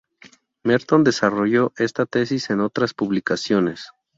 Merton desarrolló esta tesis en otras publicaciones.